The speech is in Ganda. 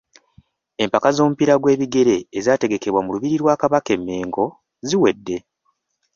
Empaka z’omupiira gw’ebigere ezaategekeddwa mu Lubiri lwa Kabaka e Mengo zaawedde.